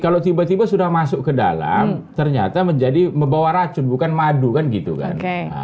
kalau tiba tiba sudah masuk ke dalam ternyata menjadi membawa racun bukan madu kan gitu kan